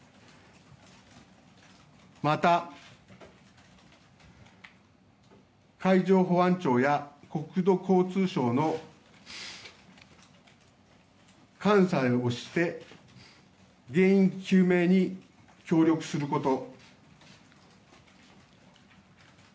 また、海上保安庁や国土交通省の監査をして原因究明に協力すること。